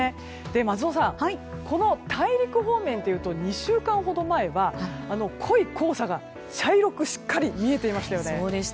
松尾さん、この大陸方面というと２週間ほど前は濃い黄砂が茶色くしっかり見えていましたよね。